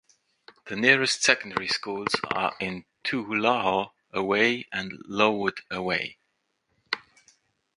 The nearest secondary schools are in Toogoolawah away and Lowood away.